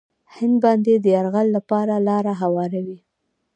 هند باندې د یرغل لپاره لاره هواروي.